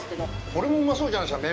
これもうまそうじゃないですか。